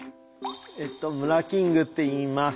えっとムラキングっていいます。